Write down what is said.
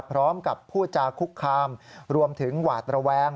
พร้อมกับพูดจาคุกคามรวมถึงหวาดระแวง